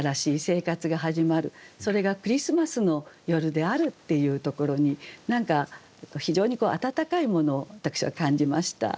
それがクリスマスの夜であるっていうところに何か非常に温かいものを私は感じました。